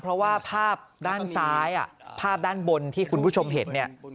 เพราะว่าภาพด้านซ้ายภาพด้านบนที่คุณผู้ชมเห็นเนี่ย